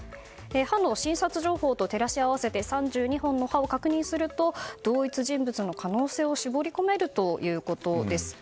歯の診察情報と照らし合わせて３２本の歯を確認すると、同一人物の可能性を絞り込めるということです。